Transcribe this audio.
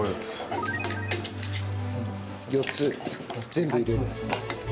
４つ全部入れる。